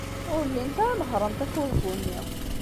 Ur llint ara nehhṛent afurgu-nni.